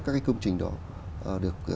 các cái công trình đó được